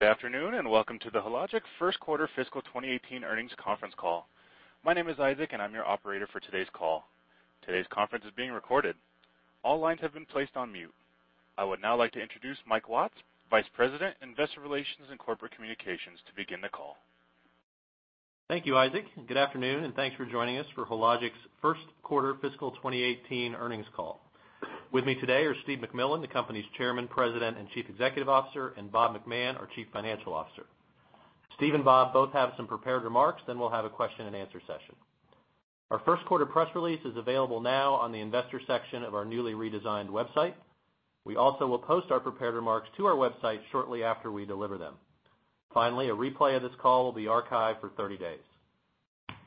Good afternoon, and welcome to the Hologic first quarter fiscal 2018 earnings conference call. My name is Isaac, and I'm your operator for today's call. Today's conference is being recorded. All lines have been placed on mute. I would now like to introduce Mike Watts, Vice President, Investor Relations and Corporate Communications, to begin the call. Thank you, Isaac. Good afternoon, and thanks for joining us for Hologic's first quarter fiscal 2018 earnings call. With me today are Steve MacMillan, the company's Chairman, President, and Chief Executive Officer, and Bob McMahon, our Chief Financial Officer. Steve and Bob both have some prepared remarks. We'll have a question and answer session. Our first quarter press release is available now on the investor section of our newly redesigned website. We also will post our prepared remarks to our website shortly after we deliver them. Finally, a replay of this call will be archived for 30 days.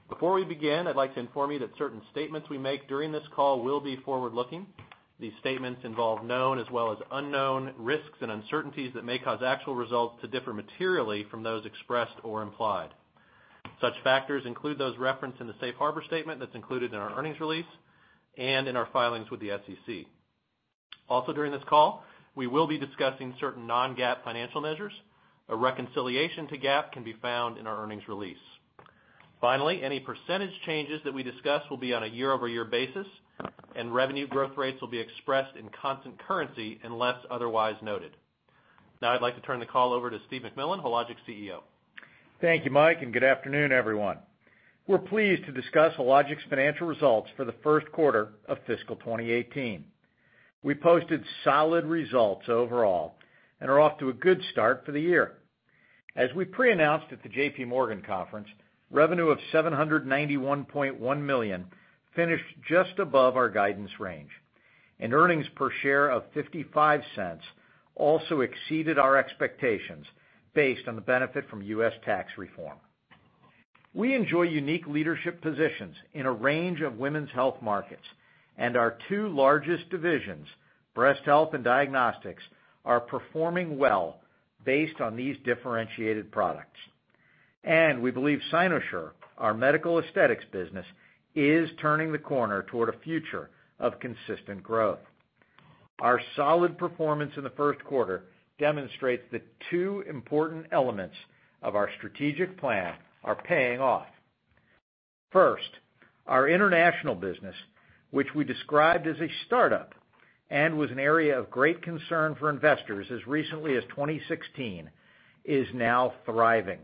Before we begin, I'd like to inform you that certain statements we make during this call will be forward-looking. These statements involve known as well as unknown risks and uncertainties that may cause actual results to differ materially from those expressed or implied. Such factors include those referenced in the safe harbor statement that's included in our earnings release and in our filings with the SEC. Also during this call, we will be discussing certain non-GAAP financial measures. A reconciliation to GAAP can be found in our earnings release. Finally, any percentage changes that we discuss will be on a year-over-year basis. Revenue growth rates will be expressed in constant currency unless otherwise noted. Now I'd like to turn the call over to Steve MacMillan, Hologic's CEO. Thank you, Mike, and good afternoon, everyone. We're pleased to discuss Hologic's financial results for the first quarter of fiscal 2018. We posted solid results overall and are off to a good start for the year. As we pre-announced at the JP Morgan conference, revenue of $791.1 million finished just above our guidance range. Earnings per share of $0.55 also exceeded our expectations based on the benefit from U.S. tax reform. We enjoy unique leadership positions in a range of women's health markets. Our two largest divisions, breast health and diagnostics, are performing well based on these differentiated products. We believe Cynosure, our medical aesthetics business, is turning the corner toward a future of consistent growth. Our solid performance in the first quarter demonstrates that two important elements of our strategic plan are paying off. Our international business, which we described as a startup and was an area of great concern for investors as recently as 2016, is now thriving.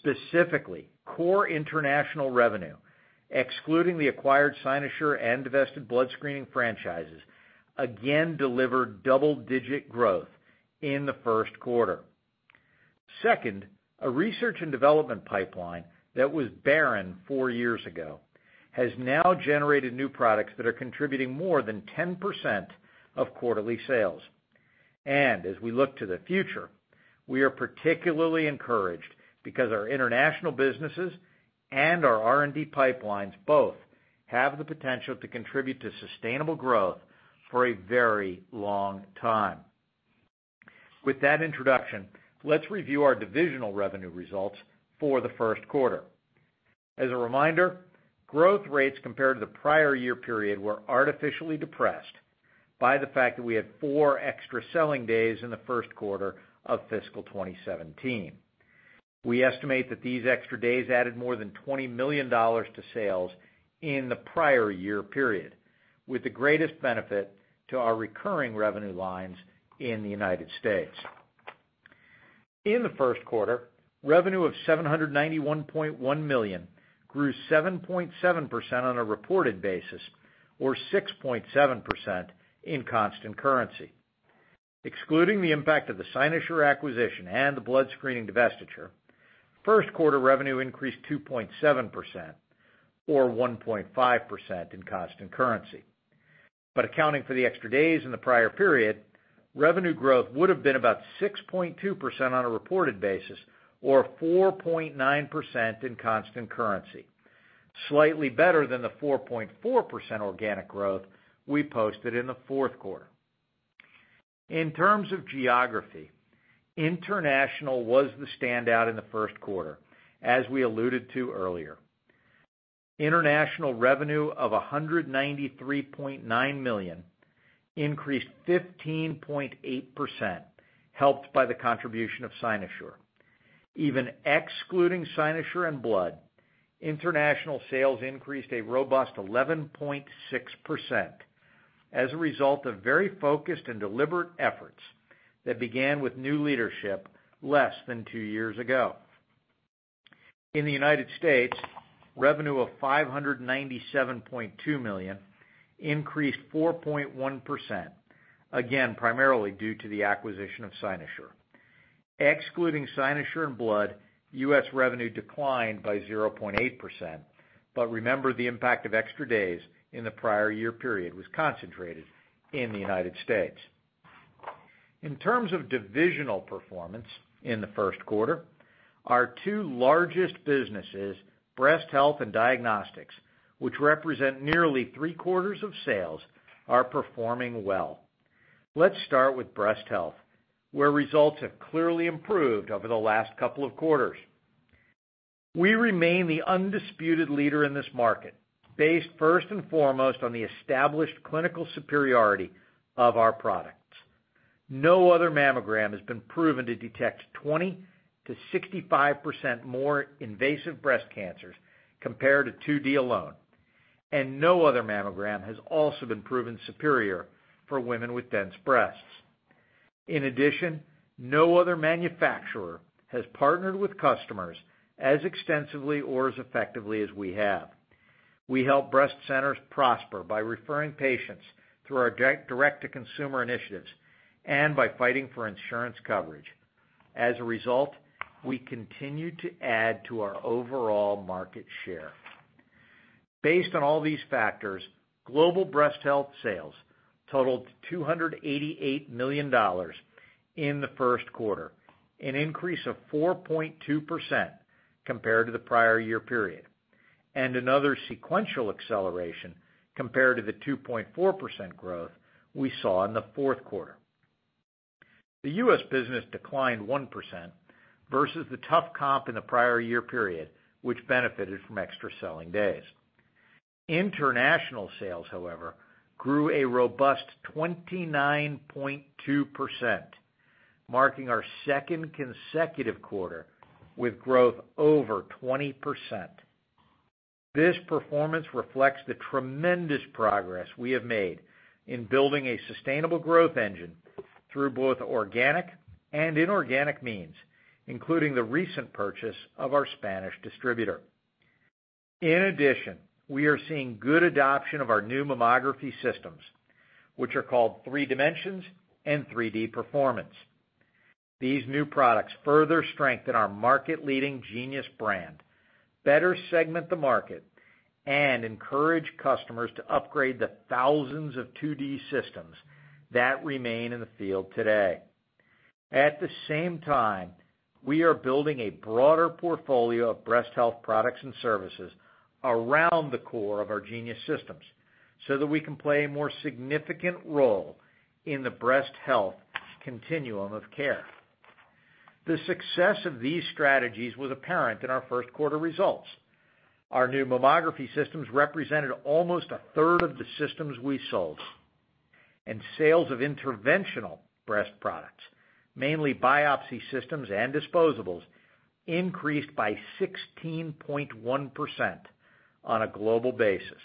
Specifically, core international revenue, excluding the acquired Cynosure and divested blood screening franchises, again delivered double-digit growth in the first quarter. A research and development pipeline that was barren four years ago has now generated new products that are contributing more than 10% of quarterly sales. As we look to the future, we are particularly encouraged because our international businesses and our R&D pipelines both have the potential to contribute to sustainable growth for a very long time. With that introduction, let's review our divisional revenue results for the first quarter. As a reminder, growth rates compared to the prior year period were artificially depressed by the fact that we had four extra selling days in the first quarter of fiscal 2017. We estimate that these extra days added more than $20 million to sales in the prior year period, with the greatest benefit to our recurring revenue lines in the U.S. In the first quarter, revenue of $791.1 million grew 7.7% on a reported basis or 6.7% in constant currency. Excluding the impact of the Cynosure acquisition and the blood screening divestiture, first quarter revenue increased 2.7% or 1.5% in constant currency. Accounting for the extra days in the prior period, revenue growth would have been about 6.2% on a reported basis or 4.9% in constant currency, slightly better than the 4.4% organic growth we posted in the fourth quarter. In terms of geography, international was the standout in the first quarter, as we alluded to earlier. International revenue of $193.9 million increased 15.8%, helped by the contribution of Cynosure. Even excluding Cynosure and blood, international sales increased a robust 11.6% as a result of very focused and deliberate efforts that began with new leadership less than two years ago. In the U.S., revenue of $597.2 million increased 4.1%, again, primarily due to the acquisition of Cynosure. Excluding Cynosure and blood, U.S. revenue declined by 0.8%. Remember the impact of extra days in the prior year period was concentrated in the U.S. In terms of divisional performance in the first quarter, our two largest businesses, breast health and diagnostics, which represent nearly three-quarters of sales, are performing well. Let's start with breast health, where results have clearly improved over the last couple of quarters. We remain the undisputed leader in this market, based first and foremost on the established clinical superiority of our products. No other mammogram has been proven to detect 20%-65% more invasive breast cancers compared to 2D alone. No other mammogram has also been proven superior for women with dense breasts. In addition, no other manufacturer has partnered with customers as extensively or as effectively as we have. We help breast centers prosper by referring patients through our direct-to-consumer initiatives and by fighting for insurance coverage. As a result, we continue to add to our overall market share. Based on all these factors, global breast health sales totaled $288 million in the first quarter, an increase of 4.2% compared to the prior year period. Another sequential acceleration compared to the 2.4% growth we saw in the fourth quarter. The U.S. business declined 1% versus the tough comp in the prior year period, which benefited from extra selling days. International sales, however, grew a robust 29.2%, marking our second consecutive quarter with growth over 20%. This performance reflects the tremendous progress we have made in building a sustainable growth engine through both organic and inorganic means, including the recent purchase of our Spanish distributor. In addition, we are seeing good adoption of our new mammography systems, which are called 3Dimensions and 3D Performance. These new products further strengthen our market-leading Genius brand, better segment the market, and encourage customers to upgrade the thousands of 2D systems that remain in the field today. At the same time, we are building a broader portfolio of breast health products and services around the core of our Genius systems so that we can play a more significant role in the breast health continuum of care. The success of these strategies was apparent in our first quarter results. Our new mammography systems represented almost a third of the systems we sold, and sales of interventional breast products, mainly biopsy systems and disposables, increased by 16.1% on a global basis.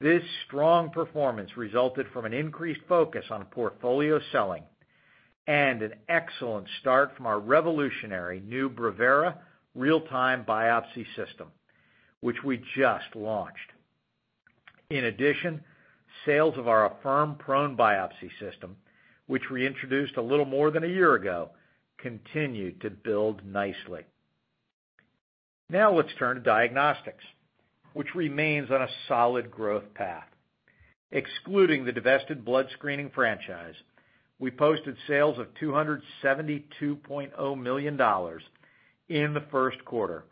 This strong performance resulted from an increased focus on portfolio selling and an excellent start from our revolutionary new Brevera real-time biopsy system, which we just launched. In addition, sales of our Affirm prone biopsy system, which we introduced a little more than a year ago, continued to build nicely. Now let's turn to diagnostics, which remains on a solid growth path. Excluding the divested blood screening franchise, we posted sales of $272.0 million in the first quarter,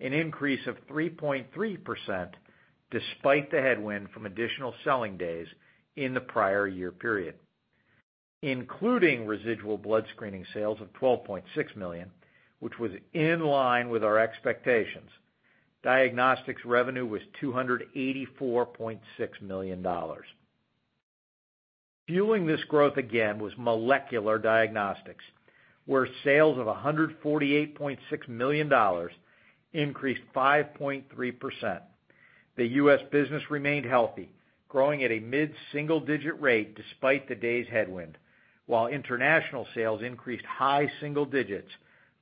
an increase of 3.3%, despite the headwind from additional selling days in the prior year period. Including residual blood screening sales of $12.6 million, which was in line with our expectations, diagnostics revenue was $284.6 million. Fueling this growth, again, was molecular diagnostics, where sales of $148.6 million increased 5.3%. The U.S. business remained healthy, growing at a mid-single-digit rate despite the day's headwind, while international sales increased high single digits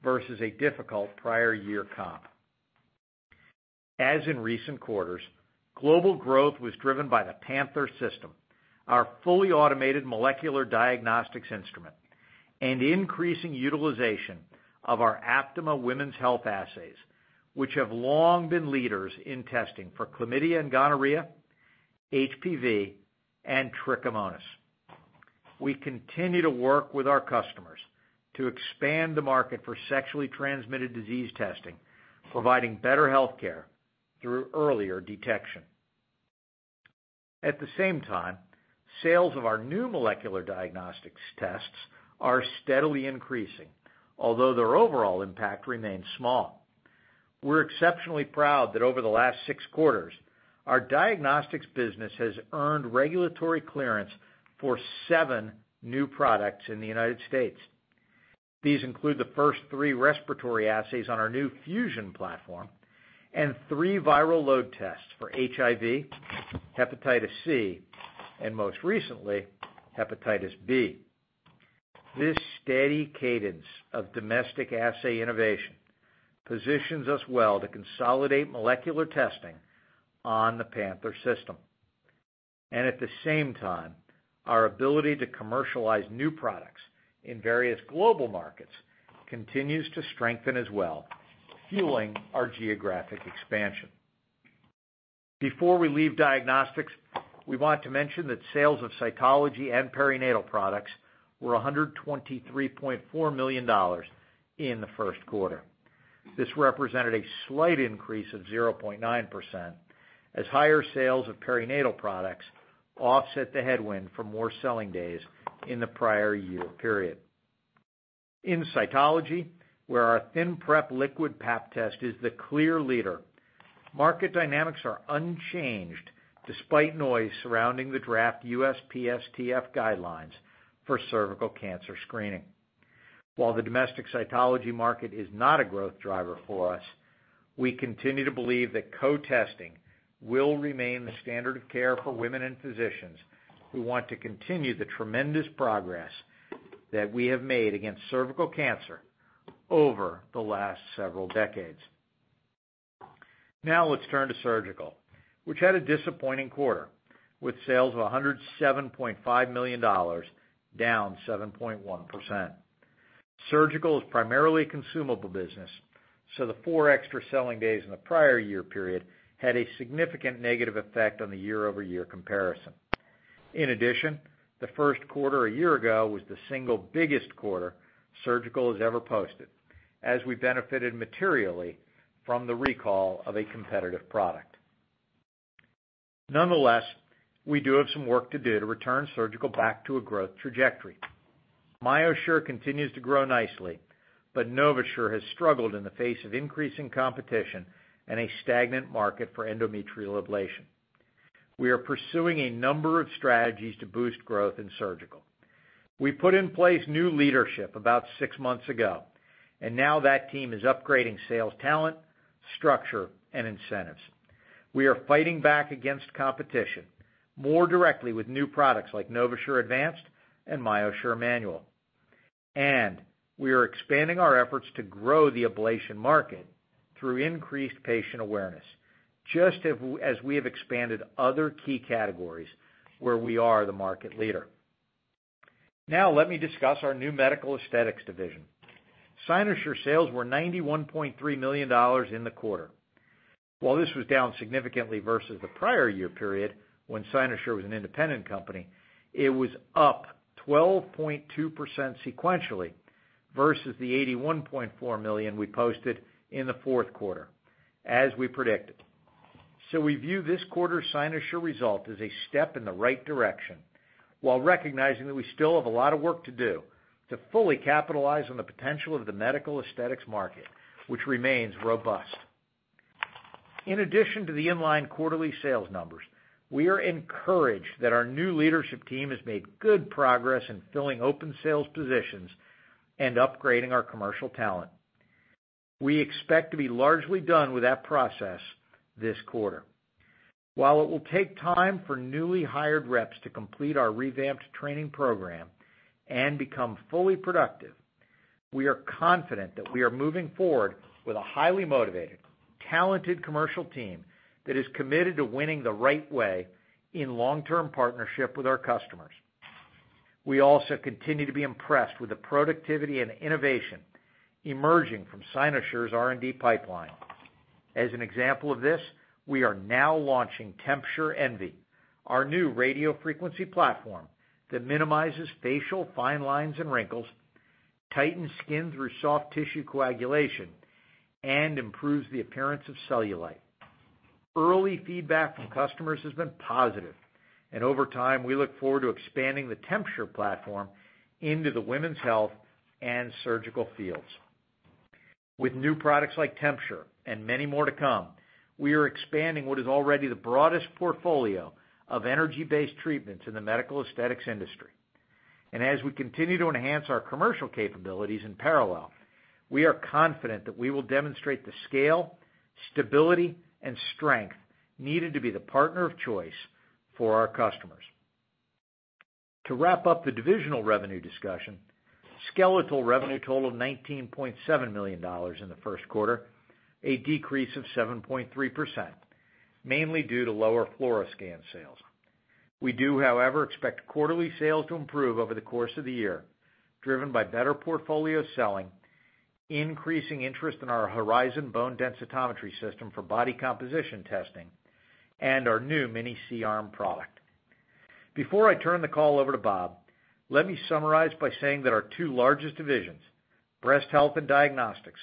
versus a difficult prior year comp. As in recent quarters, global growth was driven by the Panther system, our fully automated molecular diagnostics instrument, and increasing utilization of our Aptima women's health assays, which have long been leaders in testing for chlamydia and gonorrhea, HPV, and trichomonas. We continue to work with our customers to expand the market for sexually transmitted disease testing, providing better healthcare through earlier detection. At the same time, sales of our new molecular diagnostics tests are steadily increasing, although their overall impact remains small. We're exceptionally proud that over the last six quarters, our diagnostics business has earned regulatory clearance for seven new products in the United States. These include the first three respiratory assays on our new Fusion platform and three viral load tests for HIV, hepatitis C, and most recently, hepatitis B. This steady cadence of domestic assay innovation positions us well to consolidate molecular testing on the Panther system. At the same time, our ability to commercialize new products in various global markets continues to strengthen as well, fueling our geographic expansion. Before we leave diagnostics, we want to mention that sales of cytology and perinatal products were $123.4 million in the first quarter. This represented a slight increase of 0.9% as higher sales of perinatal products offset the headwind for more selling days in the prior year period. In cytology, where our ThinPrep liquid Pap test is the clear leader, market dynamics are unchanged despite noise surrounding the draft USPSTF guidelines for cervical cancer screening. While the domestic cytology market is not a growth driver for us, we continue to believe that co-testing will remain the standard of care for women and physicians who want to continue the tremendous progress that we have made against cervical cancer over the last several decades. Let's turn to Surgical, which had a disappointing quarter, with sales of $107.5 million, down 7.1%. Surgical is primarily a consumable business, so the four extra selling days in the prior year period had a significant negative effect on the year-over-year comparison. In addition, the first quarter a year ago was the single biggest quarter Surgical has ever posted, as we benefited materially from the recall of a competitive product. Nonetheless, we do have some work to do to return Surgical back to a growth trajectory. MyoSure continues to grow nicely, NovaSure has struggled in the face of increasing competition and a stagnant market for endometrial ablation. We are pursuing a number of strategies to boost growth in Surgical. We put in place new leadership about six months ago, that team is upgrading sales talent, structure, and incentives. We are fighting back against competition more directly with new products like NovaSure ADVANCED and MyoSure MANUAL. We are expanding our efforts to grow the ablation market through increased patient awareness, just as we have expanded other key categories where we are the market leader. Let me discuss our new medical aesthetics division. Cynosure sales were $91.3 million in the quarter. While this was down significantly versus the prior year period when Cynosure was an independent company, it was up 12.2% sequentially versus the $81.4 million we posted in the fourth quarter, as we predicted. We view this quarter's Cynosure result as a step in the right direction, while recognizing that we still have a lot of work to do to fully capitalize on the potential of the medical aesthetics market, which remains robust. In addition to the in-line quarterly sales numbers, we are encouraged that our new leadership team has made good progress in filling open sales positions and upgrading our commercial talent. We expect to be largely done with that process this quarter. While it will take time for newly hired reps to complete our revamped training program and become fully productive, we are confident that we are moving forward with a highly motivated, talented commercial team that is committed to winning the right way in long-term partnership with our customers. We also continue to be impressed with the productivity and innovation emerging from Cynosure's R&D pipeline. As an example of this, we are now launching TempSure Envi, our new radiofrequency platform that minimizes facial fine lines and wrinkles, tightens skin through soft tissue coagulation, and improves the appearance of cellulite. Early feedback from customers has been positive. Over time, we look forward to expanding the TempSure platform into the women's health and surgical fields. With new products like TempSure and many more to come, we are expanding what is already the broadest portfolio of energy-based treatments in the medical aesthetics industry. As we continue to enhance our commercial capabilities in parallel, we are confident that we will demonstrate the scale, stability, and strength needed to be the partner of choice for our customers. To wrap up the divisional revenue discussion, Skeletal revenue totaled $19.7 million in the first quarter, a decrease of 7.3%, mainly due to lower Fluoroscan sales. We do, however, expect quarterly sales to improve over the course of the year, driven by better portfolio selling, increasing interest in our Horizon bone densitometry system for body composition testing, and our new mini C-arm product. Before I turn the call over to Bob, let me summarize by saying that our two largest divisions, Breast Health and Diagnostics,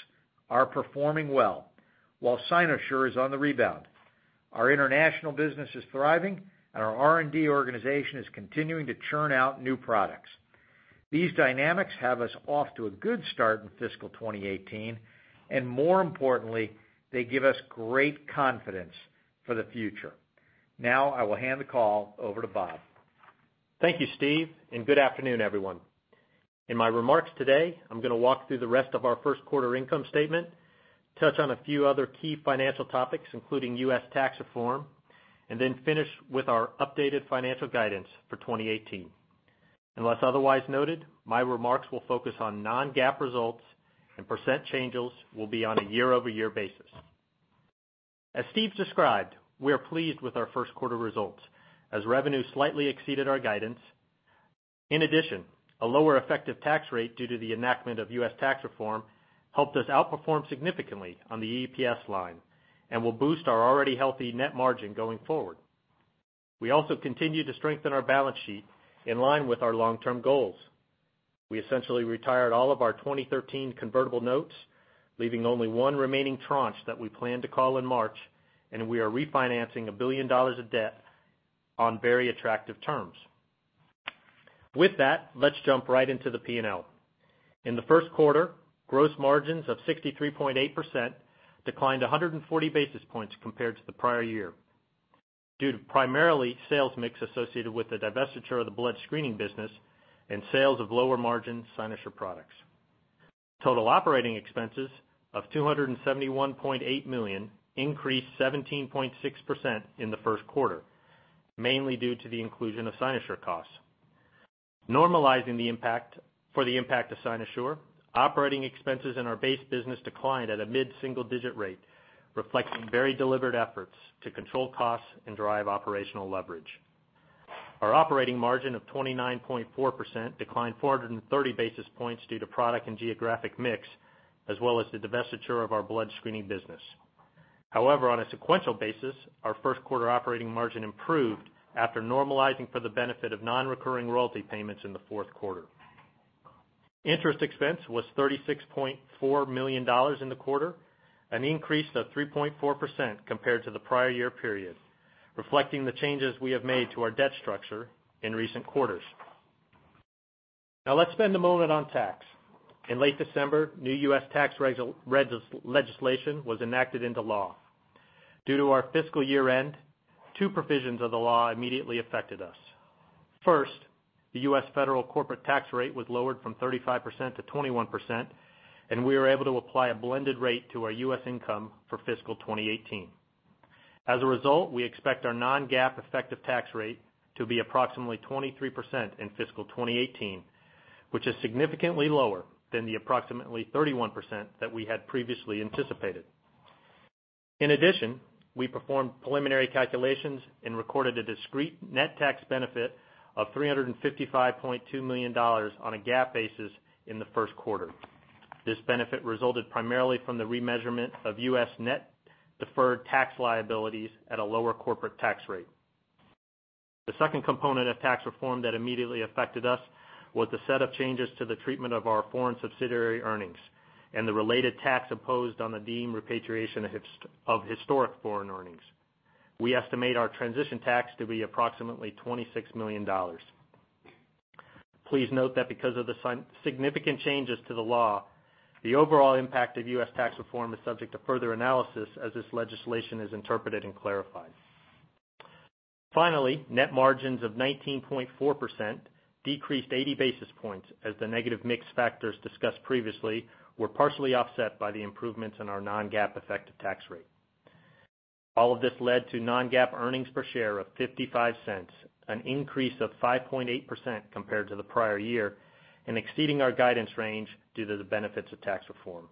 are performing well, while Cynosure is on the rebound. Our international business is thriving, and our R&D organization is continuing to churn out new products. These dynamics have us off to a good start in fiscal 2018, and more importantly, they give us great confidence for the future. Now I will hand the call over to Bob. Thank you, Steve, and good afternoon, everyone. In my remarks today, I am going to walk through the rest of our first quarter income statement, touch on a few other key financial topics, including U.S. tax reform, and then finish with our updated financial guidance for 2018. Unless otherwise noted, my remarks will focus on non-GAAP results, and % changes will be on a year-over-year basis. As Steve described, we are pleased with our first quarter results, as revenue slightly exceeded our guidance. In addition, a lower effective tax rate due to the enactment of U.S. tax reform helped us outperform significantly on the EPS line and will boost our already healthy net margin going forward. We also continue to strengthen our balance sheet in line with our long-term goals. We essentially retired all of our 2013 convertible notes, leaving only one remaining tranche that we plan to call in March, and we are refinancing $1 billion of debt on very attractive terms. With that, let's jump right into the P&L. In the first quarter, gross margins of 63.8% declined 140 basis points compared to the prior year, due to primarily sales mix associated with the divestiture of the blood screening business and sales of lower margin Cynosure products. Total operating expenses of $271.8 million increased 17.6% in the first quarter, mainly due to the inclusion of Cynosure costs. Normalizing for the impact of Cynosure, operating expenses in our base business declined at a mid-single digit rate, reflecting very deliberate efforts to control costs and drive operational leverage. Our operating margin of 29.4% declined 430 basis points due to product and geographic mix, as well as the divestiture of our blood screening business. On a sequential basis, our first quarter operating margin improved after normalizing for the benefit of non-recurring royalty payments in the fourth quarter. Interest expense was $36.4 million in the quarter, an increase of 3.4% compared to the prior year period, reflecting the changes we have made to our debt structure in recent quarters. Let's spend a moment on tax. In late December, new U.S. tax legislation was enacted into law. Due to our fiscal year-end, two provisions of the law immediately affected us. First, the U.S. federal corporate tax rate was lowered from 35% to 21%, and we were able to apply a blended rate to our U.S. income for fiscal 2018. We expect our non-GAAP effective tax rate to be approximately 23% in fiscal 2018, which is significantly lower than the approximately 31% that we had previously anticipated. We performed preliminary calculations and recorded a discrete net tax benefit of $355.2 million on a GAAP basis in the first quarter. This benefit resulted primarily from the remeasurement of U.S. net deferred tax liabilities at a lower corporate tax rate. The second component of tax reform that immediately affected us was the set of changes to the treatment of our foreign subsidiary earnings and the related tax imposed on the deemed repatriation of historic foreign earnings. We estimate our transition tax to be approximately $26 million. Please note that because of the significant changes to the law, the overall impact of U.S. tax reform is subject to further analysis as this legislation is interpreted and clarified. Net margins of 19.4% decreased 80 basis points as the negative mix factors discussed previously were partially offset by the improvements in our non-GAAP effective tax rate. All of this led to non-GAAP earnings per share of $0.55, an increase of 5.8% compared to the prior year, and exceeding our guidance range due to the benefits of tax reform.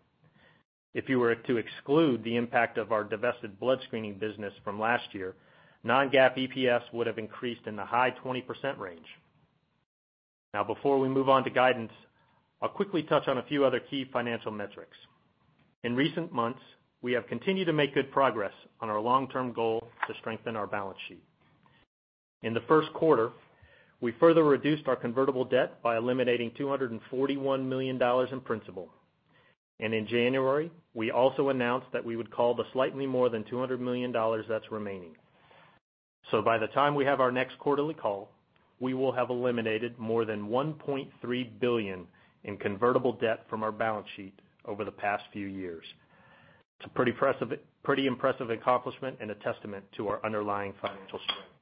If you were to exclude the impact of our divested blood screening business from last year, non-GAAP EPS would have increased in the high 20% range. Before we move on to guidance, I'll quickly touch on a few other key financial metrics. In recent months, we have continued to make good progress on our long-term goal to strengthen our balance sheet. In the first quarter, we further reduced our convertible debt by eliminating $241 million in principal. In January, we also announced that we would call the slightly more than $200 million that's remaining. By the time we have our next quarterly call, we will have eliminated more than $1.3 billion in convertible debt from our balance sheet over the past few years. It's a pretty impressive accomplishment and a testament to our underlying financial strength.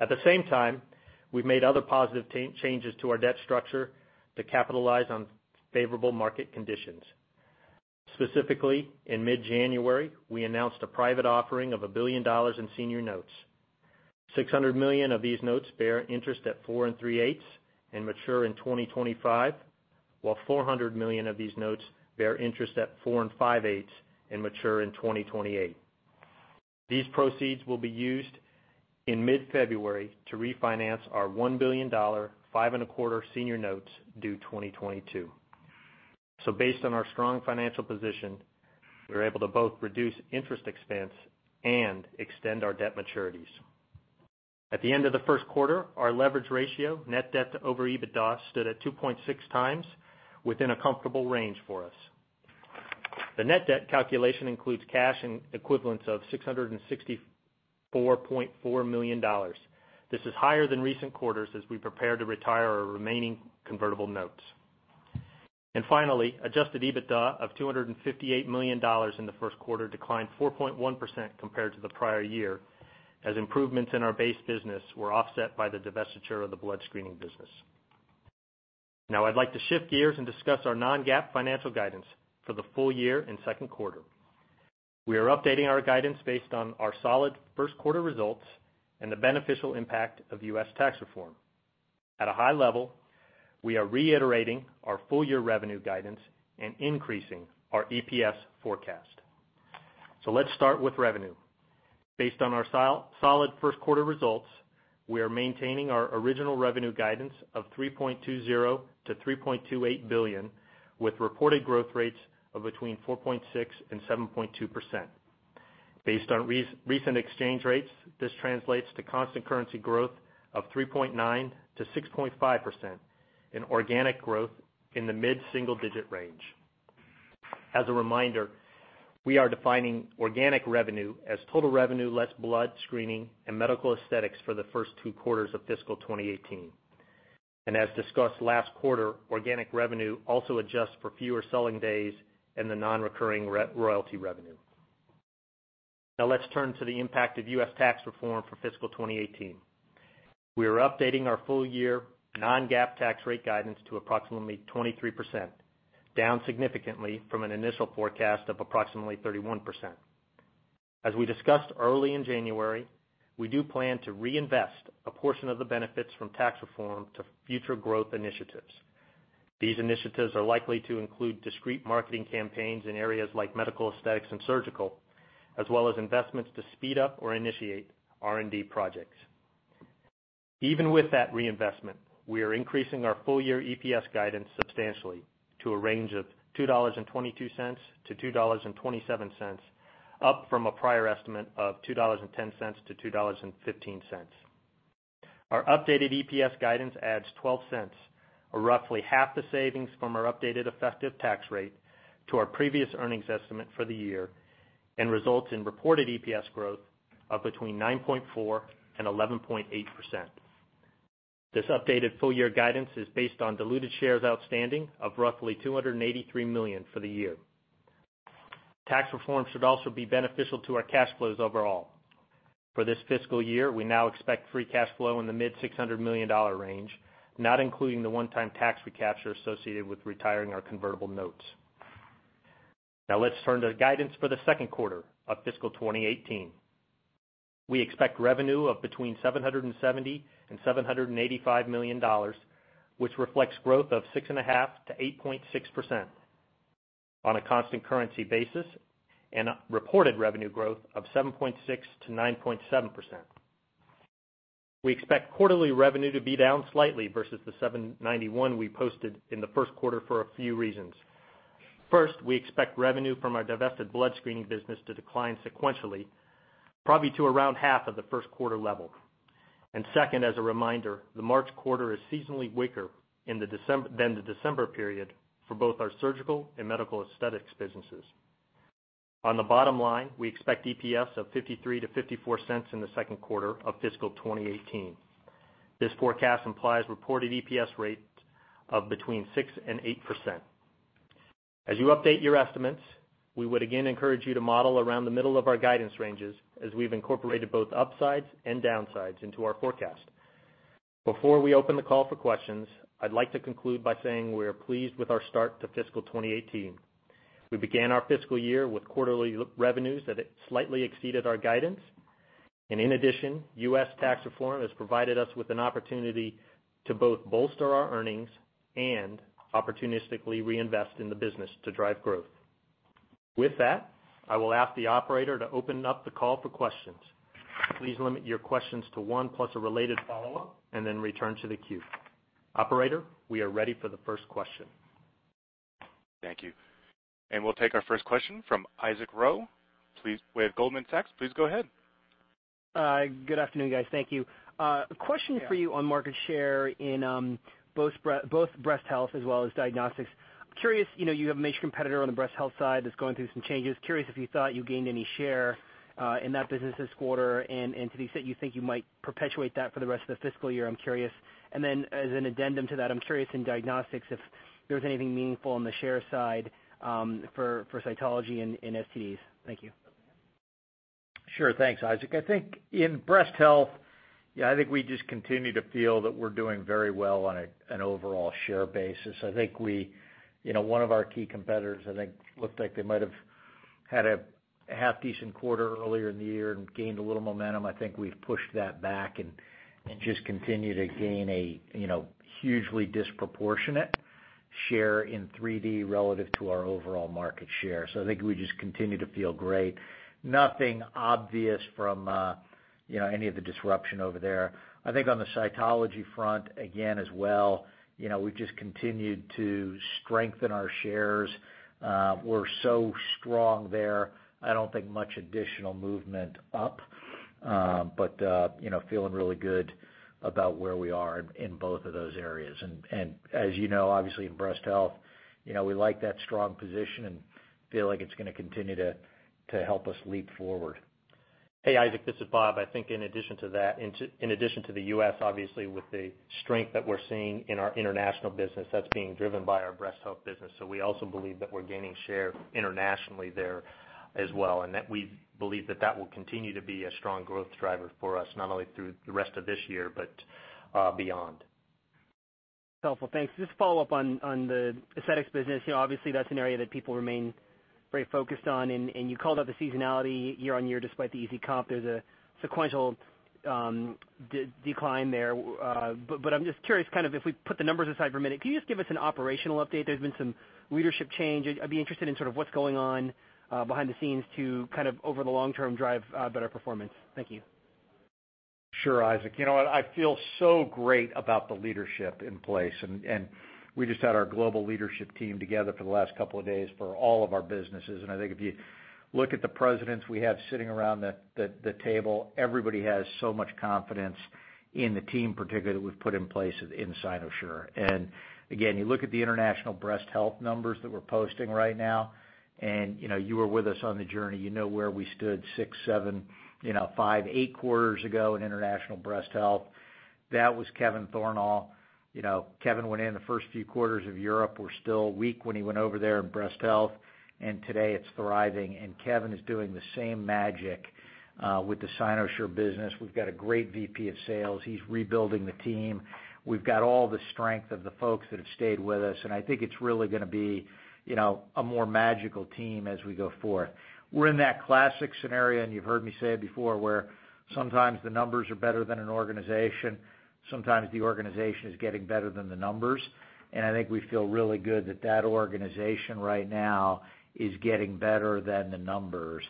At the same time, we've made other positive changes to our debt structure to capitalize on favorable market conditions. Specifically, in mid-January, we announced a private offering of $1 billion in senior notes. $600 million of these notes bear interest at four and three eighths and mature in 2025, while $400 million of these notes bear interest at four and five eighths and mature in 2028. These proceeds will be used in mid-February to refinance our $1 billion five and a quarter senior notes due 2022. Based on our strong financial position, we were able to both reduce interest expense and extend our debt maturities. At the end of the first quarter, our leverage ratio, net debt to EBITDA, stood at 2.6x, within a comfortable range for us. The net debt calculation includes cash and equivalents of $664.4 million. This is higher than recent quarters as we prepare to retire our remaining convertible notes. Finally, adjusted EBITDA of $258 million in the first quarter declined 4.1% compared to the prior year, as improvements in our base business were offset by the divestiture of the blood screening business. I'd like to shift gears and discuss our non-GAAP financial guidance for the full year and second quarter. We are updating our guidance based on our solid first quarter results and the beneficial impact of U.S. tax reform. At a high level, we are reiterating our full year revenue guidance and increasing our EPS forecast. Let's start with revenue. Based on our solid first quarter results, we are maintaining our original revenue guidance of $3.20 billion-$3.28 billion, with reported growth rates of between 4.6%-7.2%. Based on recent exchange rates, this translates to constant currency growth of 3.9%-6.5%, and organic growth in the mid-single digit range. As a reminder, we are defining organic revenue as total revenue less blood screening and medical aesthetics for the first two quarters of fiscal 2018. As discussed last quarter, organic revenue also adjusts for fewer selling days and the non-recurring royalty revenue. Let's turn to the impact of U.S. tax reform for fiscal 2018. We are updating our full year non-GAAP tax rate guidance to approximately 23%, down significantly from an initial forecast of approximately 31%. As we discussed early in January, we do plan to reinvest a portion of the benefits from tax reform to future growth initiatives. These initiatives are likely to include discrete marketing campaigns in areas like medical aesthetics and surgical, as well as investments to speed up or initiate R&D projects. Even with that reinvestment, we are increasing our full-year EPS guidance substantially to a range of $2.22-$2.27, up from a prior estimate of $2.10-$2.15. Our updated EPS guidance adds $0.12, or roughly half the savings from our updated effective tax rate to our previous earnings estimate for the year and results in reported EPS growth of between 9.4%-11.8%. This updated full year guidance is based on diluted shares outstanding of roughly 283 million for the year. Tax reform should also be beneficial to our cash flows overall. For this fiscal year, we now expect free cash flow in the mid-$600 million range, not including the one-time tax recapture associated with retiring our convertible notes. Let's turn to guidance for the second quarter of fiscal 2018. We expect revenue of between $770 million-$785 million, which reflects growth of 6.5%-8.6% on a constant currency basis and a reported revenue growth of 7.6%-9.7%. We expect quarterly revenue to be down slightly versus the $791 million we posted in the first quarter for a few reasons. First, we expect revenue from our divested blood screening business to decline sequentially, probably to around half of the first quarter level. Second, as a reminder, the March quarter is seasonally weaker than the December period for both our surgical and medical aesthetics businesses. On the bottom line, we expect EPS of $0.53-$0.54 in the second quarter of FY 2018. This forecast implies reported EPS rates of between 6% and 8%. As you update your estimates, we would again encourage you to model around the middle of our guidance ranges as we've incorporated both upsides and downsides into our forecast. Before we open the call for questions, I'd like to conclude by saying we are pleased with our start to FY 2018. We began our fiscal year with quarterly revenues that slightly exceeded our guidance. In addition, U.S. tax reform has provided us with an opportunity to both bolster our earnings and opportunistically reinvest in the business to drive growth. With that, I will ask the operator to open up the call for questions. Please limit your questions to one plus a related follow-up and then return to the queue. Operator, we are ready for the first question. Thank you. We'll take our first question from Isaac Ro with Goldman Sachs. Please go ahead. Good afternoon, guys. Thank you. A question for you on market share in both breast health as well as diagnostics. I'm curious, you have a major competitor on the breast health side that's going through some changes. Curious if you thought you gained any share in that business this quarter, and to the extent you think you might perpetuate that for the rest of the fiscal year, I'm curious. Then as an addendum to that, I'm curious in diagnostics if there's anything meaningful on the share side for cytology and STDs. Thank you. Sure. Thanks, Isaac. I think in breast health, yeah, I think we just continue to feel that we're doing very well on an overall share basis. I think one of our key competitors, I think looked like they might have had a half-decent quarter earlier in the year and gained a little momentum. I think we've pushed that back and just continue to gain a hugely disproportionate share in 3D relative to our overall market share. I think we just continue to feel great. Nothing obvious from any of the disruption over there. I think on the cytology front, again, as well, we've just continued to strengthen our shares. We're so strong there. I don't think much additional movement up. Feeling really good about where we are in both of those areas. As you know, obviously in breast health, we like that strong position and feel like it's going to continue to help us leap forward. Hey, Isaac, this is Bob. I think in addition to the U.S., obviously, with the strength that we're seeing in our international business, that's being driven by our breast health business. We also believe that we're gaining share internationally there as well, and that we believe that will continue to be a strong growth driver for us, not only through the rest of this year, but beyond. Helpful. Thanks. Just to follow up on the aesthetics business, obviously that's an area that people remain very focused on, and you called out the seasonality year-over-year despite the easy comp. There's a sequential decline there. I'm just curious, if we put the numbers aside for a minute, can you just give us an operational update? There's been some leadership change. I'd be interested in sort of what's going on behind the scenes to kind of over the long term drive better performance. Thank you. Sure, Isaac. You know what? I feel so great about the leadership in place, we just had our global leadership team together for the last couple of days for all of our businesses. I think if you look at the presidents we have sitting around the table, everybody has so much confidence in the team, particularly that we've put in place at Cynosure. Again, you look at the international breast health numbers that we're posting right now, and you were with us on the journey, you know where we stood six, seven, five, eight quarters ago in international breast health. That was Kevin Thornal. Kevin went in, the first few quarters of Europe were still weak when he went over there in breast health, and today it's thriving. Kevin is doing the same magic, with the Cynosure business. We've got a great VP of sales. He's rebuilding the team. We've got all the strength of the folks that have stayed with us, I think it's really going to be a more magical team as we go forth. We're in that classic scenario, you've heard me say it before, where sometimes the numbers are better than an organization, sometimes the organization is getting better than the numbers. I think we feel really good that that organization right now is getting better than the numbers.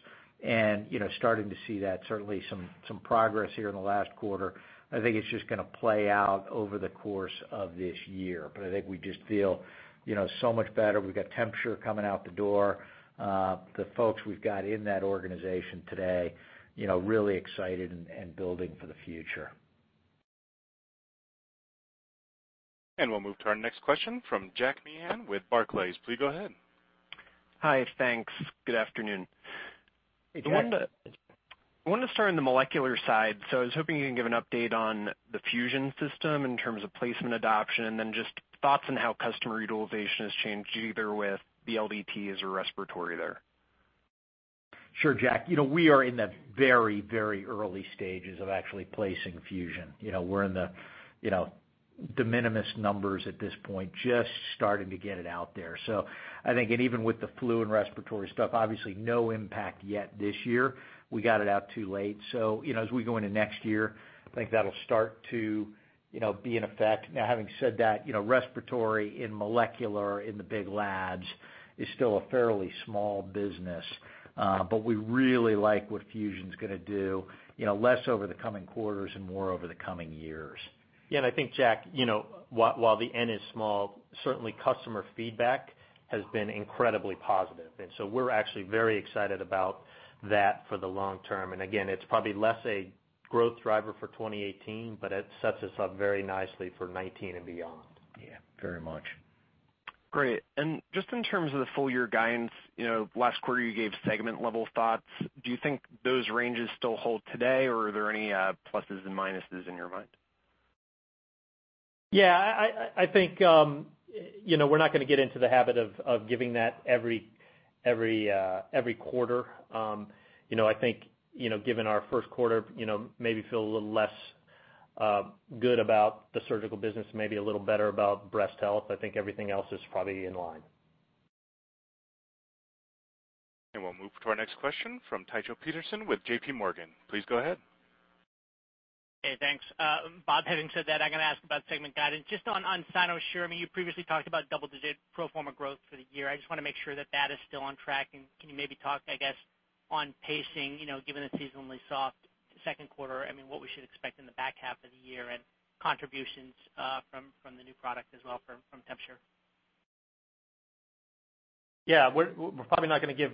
Starting to see that certainly some progress here in the last quarter. I think it's just going to play out over the course of this year. I think we just feel so much better. We've got TempSure coming out the door. The folks we've got in that organization today, really excited and building for the future. We'll move to our next question from Jack Meehan with Barclays. Please go ahead. Hi, thanks. Good afternoon. Hey, Jack. I wanted to start on the molecular side. I was hoping you can give an update on the Fusion system in terms of placement adoption, and then just thoughts on how customer utilization has changed, either with the LDTs or respiratory there. Sure, Jack. We are in the very early stages of actually placing Fusion. We're in the de minimis numbers at this point, just starting to get it out there. I think, and even with the flu and respiratory stuff, obviously no impact yet this year. We got it out too late. As we go into next year, I think that'll start to be in effect. Now, having said that, respiratory in molecular in the big labs is still a fairly small business. We really like what Fusion's going to do, less over the coming quarters and more over the coming years. Yeah, I think, Jack, while the N is small, certainly customer feedback has been incredibly positive. We're actually very excited about that for the long term. Again, it's probably less a growth driver for 2018, but it sets us up very nicely for 2019 and beyond. Yeah, very much. Great. Just in terms of the full-year guidance, last quarter you gave segment-level thoughts. Do you think those ranges still hold today, or are there any pluses and minuses in your mind? Yeah, I think we're not going to get into the habit of giving that every quarter. I think, given our first quarter, maybe feel a little less good about the surgical business, maybe a little better about Breast Health. I think everything else is probably in line. We'll move to our next question from Tycho Peterson with JP Morgan. Please go ahead. Hey, thanks. Bob, having said that, I'm going to ask about segment guidance. Just on Cynosure, you previously talked about double-digit pro forma growth for the year. I just want to make sure that that is still on track, and can you maybe talk, I guess, on pacing, given the seasonally soft second quarter, what we should expect in the back half of the year and contributions from the new product as well from TempSure? Yeah, we're probably not going to give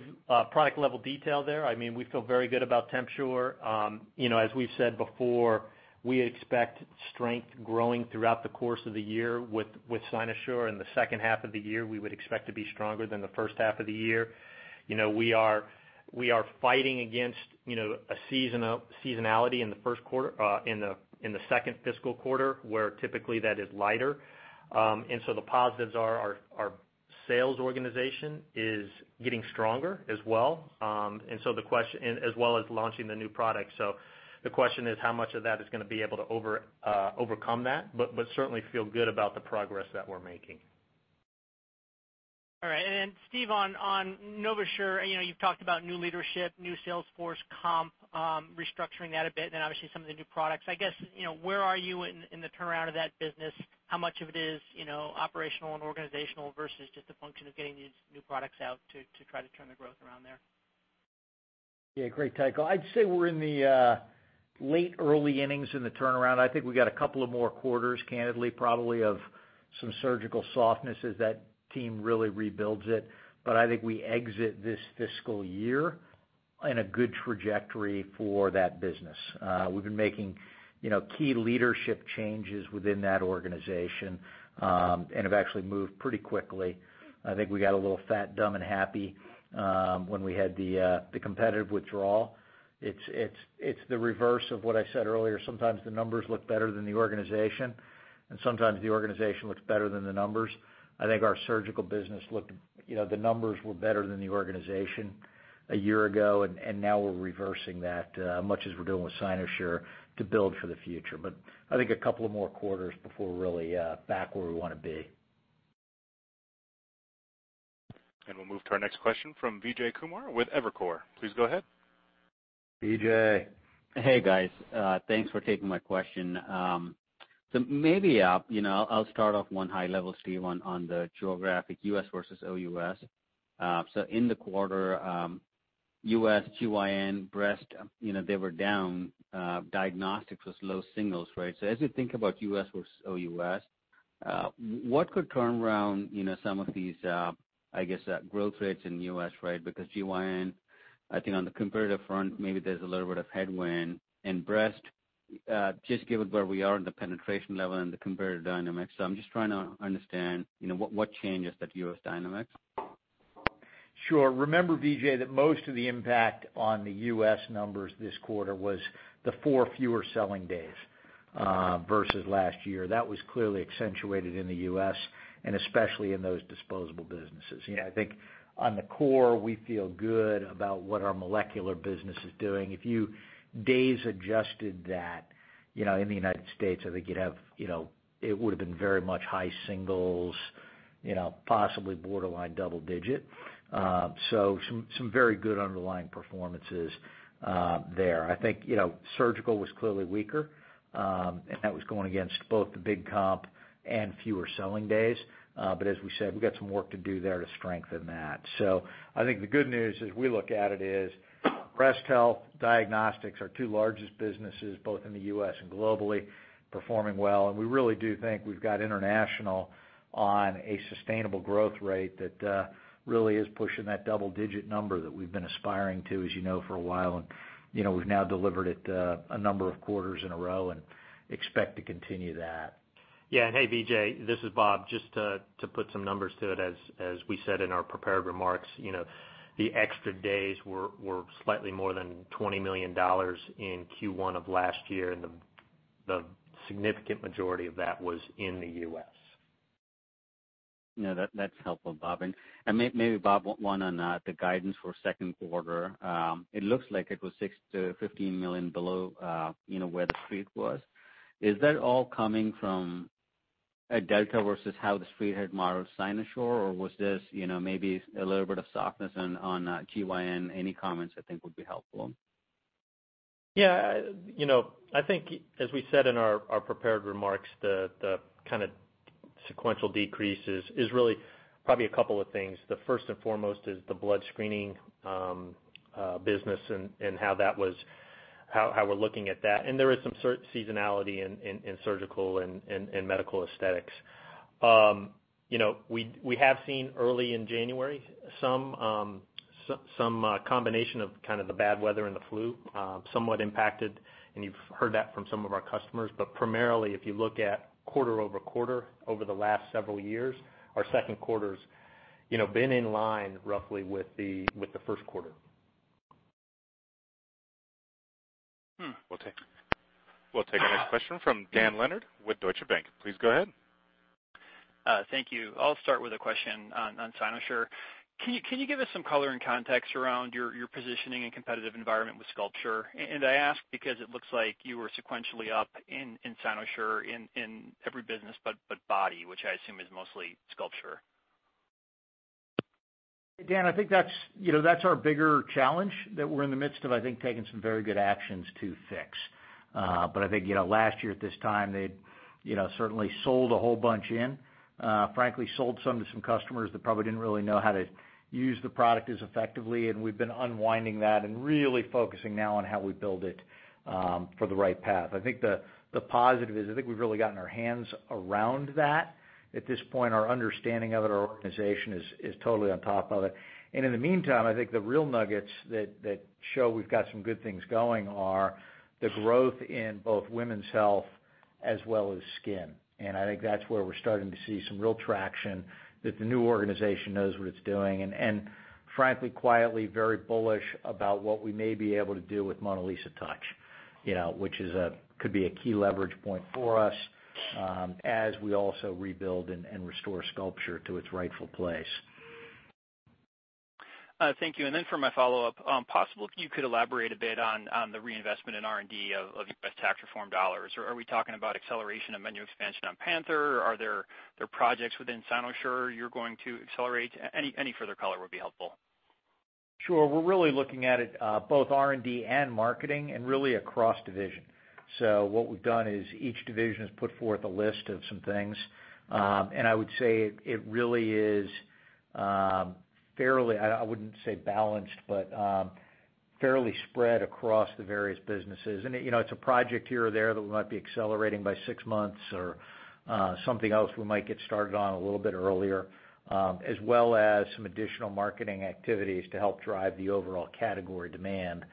product-level detail there. We feel very good about TempSure. As we've said before, we expect strength growing throughout the course of the year with Cynosure. In the second half of the year, we would expect to be stronger than the first half of the year. We are fighting against a seasonality in the second fiscal quarter, where typically that is lighter. The positives are our sales organization is getting stronger as well, and as well as launching the new product. The question is how much of that is going to be able to overcome that. Certainly feel good about the progress that we're making. All right. Steve, on NovaSure, you've talked about new leadership, new sales force comp, restructuring that a bit, then obviously some of the new products. I guess, where are you in the turnaround of that business? How much of it is operational and organizational versus just a function of getting these new products out to try to turn the growth around there? Yeah, great, Tycho. I'd say we're in the late early innings in the turnaround. I think we got a couple of more quarters, candidly, probably of some surgical softness as that team really rebuilds it. I think we exit this fiscal year in a good trajectory for that business. We've been making key leadership changes within that organization, and have actually moved pretty quickly. I think we got a little fat, dumb, and happy, when we had the competitive withdrawal. It's the reverse of what I said earlier. Sometimes the numbers look better than the organization, and sometimes the organization looks better than the numbers. The numbers were better than the organization a year ago, and now we're reversing that, much as we're doing with Cynosure to build for the future. I think a couple of more quarters before we're really back where we want to be. We'll move to our next question from Vijay Kumar with Evercore. Please go ahead. Vijay. Hey, guys. Thanks for taking my question. Maybe I'll start off one high level, Steve, on the geographic U.S. versus OUS. In the quarter, U.S. GYN, breast, they were down. Diagnostics was low singles. As we think about U.S. versus OUS, what could turn around some of these, I guess, growth rates in U.S. GYN, I think on the comparative front, maybe there's a little bit of headwind. Breast, just given where we are in the penetration level and the comparative dynamics. I'm just trying to understand, what changes that U.S. dynamics? Sure. Remember, Vijay, that most of the impact on the U.S. numbers this quarter was the four fewer selling days, versus last year. That was clearly accentuated in the U.S. and especially in those disposable businesses. I think on the core, we feel good about what our molecular business is doing. If you days adjusted that, in the United States, I think it would've been very much high singles, possibly borderline double digit. Some very good underlying performances there. I think surgical was clearly weaker, and that was going against both the big comp and fewer selling days. As we said, we've got some work to do there to strengthen that. I think the good news as we look at it is breast health, diagnostics, our two largest businesses both in the U.S. and globally, performing well. We really do think we've got international on a sustainable growth rate that really is pushing that double-digit number that we've been aspiring to, as you know, for a while. We've now delivered it a number of quarters in a row and expect to continue that. Yeah. Hey, Vijay, this is Bob. Just to put some numbers to it, as we said in our prepared remarks, the extra days were slightly more than $20 million in Q1 of last year, and the significant majority of that was in the U.S. That's helpful, Bob. Maybe Bob, one on the guidance for second quarter. It looks like it was $6 million-$15 million below where the street was. Is that all coming from a delta versus how the street had modeled Cynosure, or was this maybe a little bit of softness on GYN? Any comments I think would be helpful. Yeah. I think as we said in our prepared remarks, the kind of sequential decreases is really probably a couple of things. The first and foremost is the blood screening business and how we're looking at that. There is some seasonality in surgical and medical aesthetics. We have seen early in January some combination of kind of the bad weather and the flu somewhat impacted, and you've heard that from some of our customers. Primarily, if you look at quarter-over-quarter over the last several years, our second quarter's been in line roughly with the first quarter. We'll take the next question from Dan Leonard with Deutsche Bank. Please go ahead. Thank you. I'll start with a question on Cynosure. Can you give us some color and context around your positioning and competitive environment with SculpSure? I ask because it looks like you were sequentially up in Cynosure in every business, but body, which I assume is mostly SculpSure. Dan, I think that's our bigger challenge that we're in the midst of, I think, taking some very good actions to fix. I think last year at this time, they'd certainly sold a whole bunch in. Frankly, sold some to some customers that probably didn't really know how to use the product as effectively, and we've been unwinding that and really focusing now on how we build it for the right path. I think the positive is, I think we've really gotten our hands around that. At this point, our understanding of it, our organization is totally on top of it. In the meantime, I think the real nuggets that show we've got some good things going are the growth in both women's health as well as skin. I think that's where we're starting to see some real traction, that the new organization knows what it's doing, and frankly, quietly very bullish about what we may be able to do with MonaLisa Touch, which could be a key leverage point for us, as we also rebuild and restore SculpSure to its rightful place. Thank you. For my follow-up, possibly you could elaborate a bit on the reinvestment in R&D of U.S. tax reform dollars. Are we talking about acceleration and menu expansion on Panther? Are there projects within Cynosure you're going to accelerate? Any further color would be helpful. Sure. We're really looking at it, both R&D and marketing, and really across division. What we've done is each division has put forth a list of some things. I would say it really is fairly, I wouldn't say balanced, but fairly spread across the various businesses. It's a project here or there that we might be accelerating by six months, or something else we might get started on a little bit earlier, as well as some additional marketing activities to help drive the overall category demand for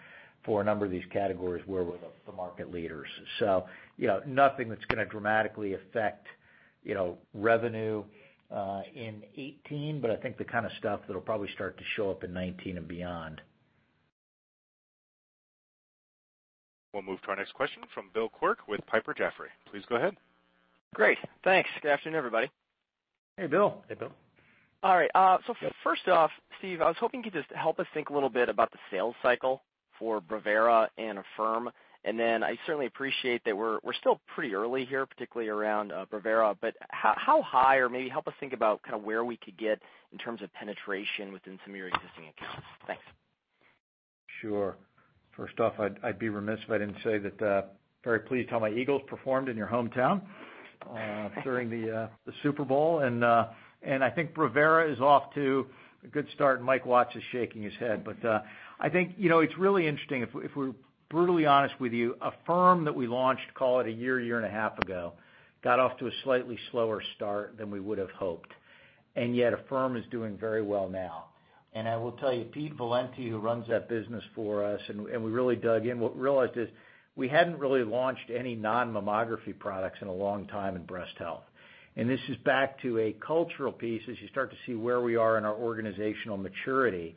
a number of these categories where we're the market leaders. Nothing that's going to dramatically affect revenue in 2018, but I think the kind of stuff that'll probably start to show up in 2019 and beyond. We'll move to our next question from Bill Quirk with Piper Jaffray. Please go ahead. Great. Thanks. Good afternoon, everybody. Hey, Bill. Hey, Bill. All right. First off, Steve, I was hoping you could just help us think a little bit about the sales cycle for Brevera and Affirm. I certainly appreciate that we're still pretty early here, particularly around Brevera, but how high, or maybe help us think about kind of where we could get in terms of penetration within some of your existing accounts. Thanks. Sure. First off, I'd be remiss if I didn't say that I'm very pleased how my Eagles performed in your hometown during the Super Bowl. I think Brevera is off to a good start, and Mike Watts is shaking his head. I think it's really interesting, if we're brutally honest with you, Affirm that we launched, call it a year and a half ago, got off to a slightly slower start than we would have hoped. Yet Affirm is doing very well now. I will tell you, Pete Valenti, who runs that business for us, and we really dug in. What we realized is we hadn't really launched any non-mammography products in a long time in breast health. This is back to a cultural piece as you start to see where we are in our organizational maturity.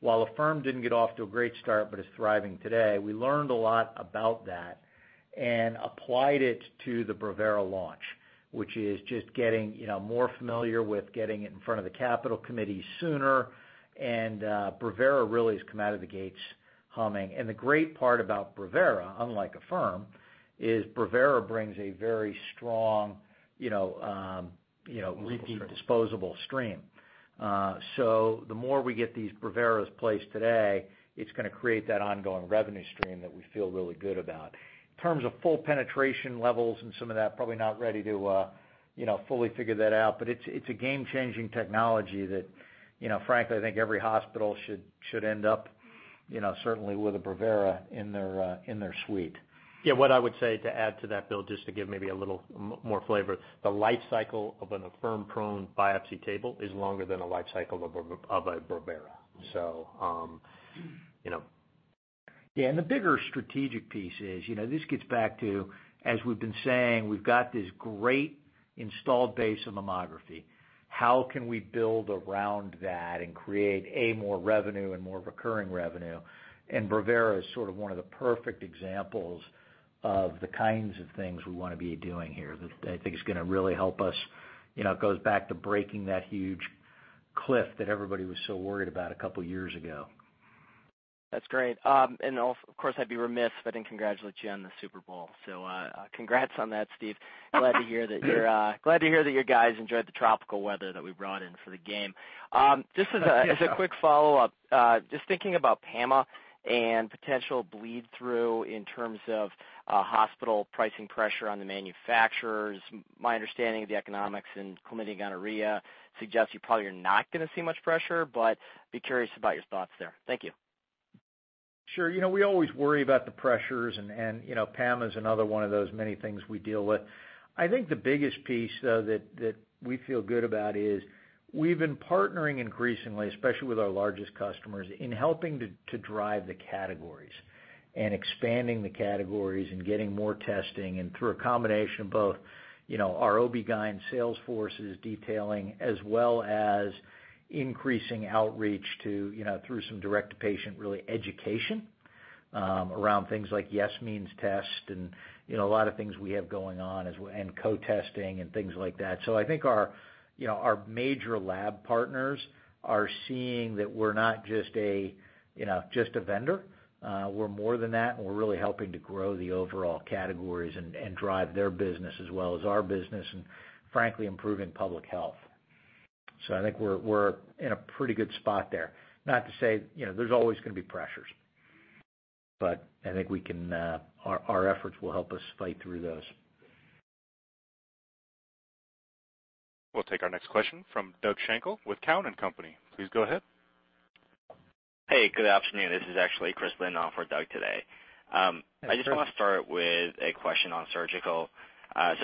While Affirm didn't get off to a great start, but it's thriving today, we learned a lot about that and applied it to the Brevera launch. Which is just getting more familiar with getting it in front of the capital committee sooner, and Brevera really has come out of the gates humming. The great part about Brevera, unlike Affirm, is Brevera brings a very strong. Repeat stream disposable stream. The more we get these Breveras placed today, it's going to create that ongoing revenue stream that we feel really good about. In terms of full penetration levels and some of that, probably not ready to fully figure that out, but it's a game-changing technology that, frankly, I think every hospital should end up, certainly with a Brevera in their suite. Yeah, what I would say to add to that, Bill, just to give maybe a little more flavor, the life cycle of an Affirm prone biopsy table is longer than a life cycle of a Brevera. Yeah, the bigger strategic piece is, this gets back to, as we've been saying, we've got this great installed base of mammography. How can we build around that and create more revenue and more recurring revenue? Brevera is sort of one of the perfect examples of the kinds of things we want to be doing here, that I think is going to really help us. It goes back to breaking that huge cliff that everybody was so worried about a couple of years ago. That's great. Of course, I'd be remiss if I didn't congratulate you on the Super Bowl. Congrats on that, Steve. Glad to hear that your guys enjoyed the tropical weather that we brought in for the game. Just as a quick follow-up, just thinking about PAMA and potential bleed through in terms of hospital pricing pressure on the manufacturers. My understanding of the economics in chlamydia, gonorrhea suggests you probably are not going to see much pressure, but be curious about your thoughts there. Thank you. Sure. We always worry about the pressures, PAMA's another one of those many things we deal with. I think the biggest piece, though, that we feel good about is we've been partnering increasingly, especially with our largest customers, in helping to drive the categories and expanding the categories and getting more testing. Through a combination of both our OBGYN sales forces detailing, as well as increasing outreach through some direct-to-patient really education around things like YES Means TEST and a lot of things we have going on, and co-testing and things like that. I think our major lab partners are seeing that we're not just a vendor. We're more than that, and we're really helping to grow the overall categories and drive their business as well as our business, and frankly, improving public health. I think we're in a pretty good spot there. Not to say there's always going to be pressures, I think our efforts will help us fight through those. We'll take our next question from Doug Schenkel with Cowen and Company. Please go ahead. Hey, good afternoon. This is actually Chris Lin on for Doug today. Hey, Chris. I just want to start with a question on surgical.